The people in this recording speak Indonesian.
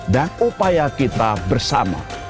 dan upaya kita bersama